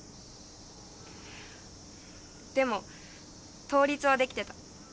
でも倒立はできてた。